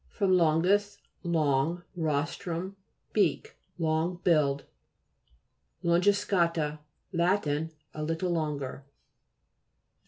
fr. longus, long, rostrum, beak. Long billed. LONGISCA'TA Lat. A little longer.